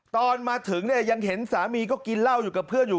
ตอนมาถึงเนี่ยยังเห็นสามีก็กินเหล้าอยู่กับเพื่อนอยู่